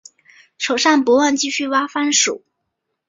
手上不忘继续挖番薯